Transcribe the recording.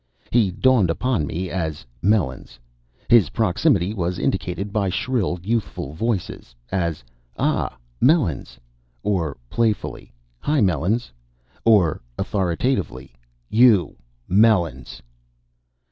He dawned upon me as Melons. His proximity was indicated by shrill, youthful voices, as "Ah, Melons!" or playfully, "Hi, Melons!" or authoritatively, "You Melons!"